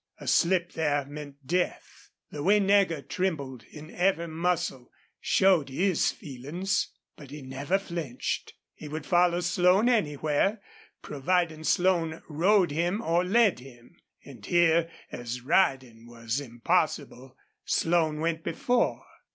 A slip there meant death. The way Nagger trembled in every muscle showed his feelings. But he never flinched. He would follow Slone anywhere, providing Slone rode him or led him. And here, as riding was impossible, Slone went before.